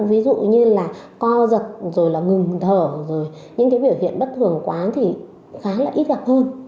ví dụ như là co giật rồi là ngừng thở rồi những cái biểu hiện bất thường quá thì khá là ít gặp hơn